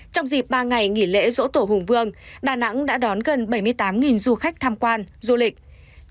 trong dịp ba ngày nghỉ lễ dỗ tổ hùng vương đà nẵng đã đón gần bảy mươi tám du khách tham quan du lịch